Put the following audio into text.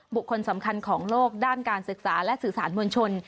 บุคคลสำคัญของโลกด้านการศึกษาและสื่อสารมวลชน